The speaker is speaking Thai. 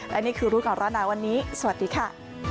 และนี่คือรูปของเราณวันนี้สวัสดีค่ะ